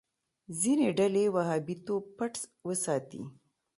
ځینې ډلې وهابيتوب پټ وساتي.